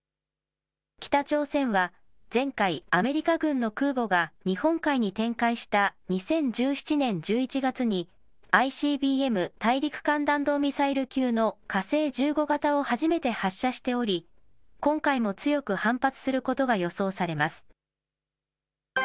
北朝鮮は前回、アメリカ軍の空母が日本海に展開した２０１７年１１月に、ＩＣＢＭ・大陸間弾道ミサイル級の火星１５型を初めて発射しており、今回も強く反発することが予想されます。